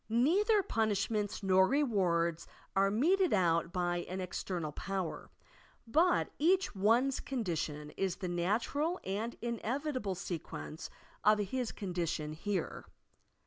Neither pun ishments nor rewards are meted out by an estemal power, but each one's condition is the natural and in evitable sequence of his condition here.